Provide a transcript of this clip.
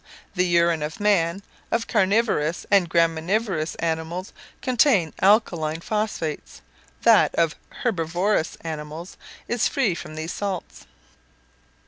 The urine of man, of carnivorous and graminivorous animals, contains alkaline phosphates; that of herbivorous animals is free from these salts.